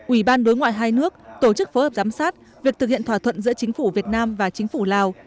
ủy ban đối ngoại hai nước tổ chức phối hợp giám sát việc thực hiện thỏa thuận giữa chính phủ việt nam và chính phủ lào